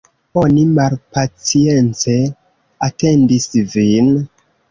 Oni malpacience atendis vin.